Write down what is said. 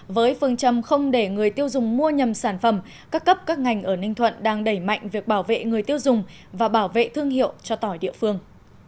với phương châm không để người tiêu dùng mua nhầm sản phẩm các cấp các ngành ở ninh thuận đang đẩy mạnh việc bảo vệ người tiêu dùng và bảo vệ thương hiệu cho tỏi địa phương